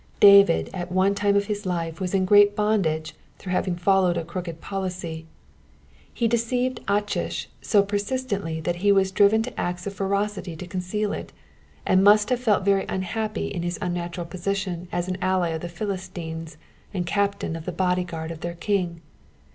David at one time of his life was in great bondage through having followed a crooked policy. He deceived Achish so persistently that he was driven to acts of ferocity to conceal it, and must have felt very unhappy in his unnatural position as an ally of Philistines, and captain of the body guard of their king.